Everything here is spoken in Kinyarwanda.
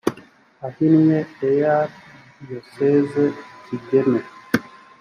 ahinnye ear diyoseze kigeme